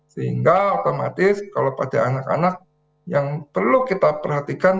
sehingga otomatis kalau pada anak anak yang perlu kita perhatikan